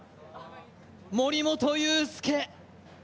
森本裕介。